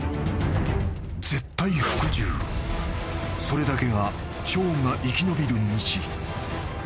［それだけがショーンが生き延びる道］